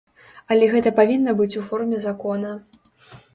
Але гэта павінна быць у форме закона.